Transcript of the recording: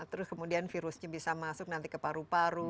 terus kemudian virusnya bisa masuk nanti ke paru paru